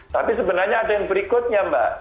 tapi sebenarnya ada yang berikutnya mbak